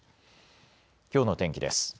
きょうの天気です。